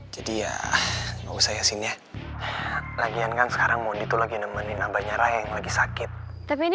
jadi ya mau saya sini ya lagi angkang sekarang mau ditulis meninang banyak lagi sakit tapi ini